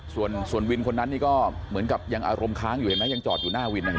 ส่วนวินคนนั้นนี่ก็เหมือนกับยังอารมณ์ค้างอยู่เห็นไหมยังจอดอยู่หน้าวินนะครับ